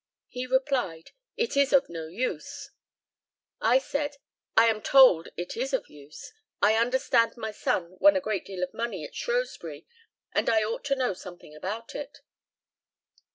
He replied, "It is of no use." I said, "I am told it is of use. I understand my son won a great deal of money at Shrewsbury, and I ought to know something about it."